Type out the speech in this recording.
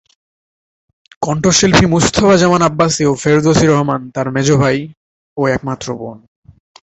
কণ্ঠশিল্পী মুস্তাফা জামান আব্বাসী ও ফেরদৌসী রহমান তার মেজ ভাই ও একমাত্র বোন।